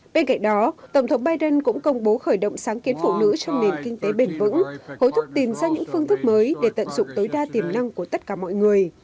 bên cạnh đó tổng thống biden cũng công bố khởi động sáng kiến phụ nữ trong nền kinh tế bền vững hối thúc tìm ra những phương thức mới để tận dụng tối đa tiềm năng của tất cả mọi người